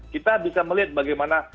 kita bisa melihat bagaimana